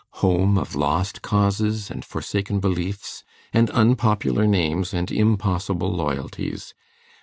home of lost causes, and forsaken beliefs, and unpopular names, and impossible loyalties!